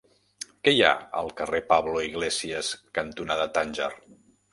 Què hi ha al carrer Pablo Iglesias cantonada Tànger?